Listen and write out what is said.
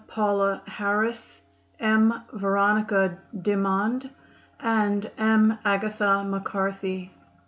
Paula Harris, M. Veronica Dimond and M. Agatha MacCarthy.